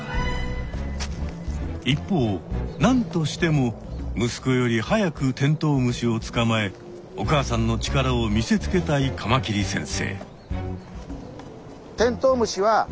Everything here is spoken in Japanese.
一方なんとしてもむすこより早くテントウムシをつかまえお母さんの力を見せつけたいカマキリ先生。